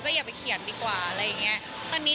อย่าไปเขียนดีกว่าอะไรอย่างนี้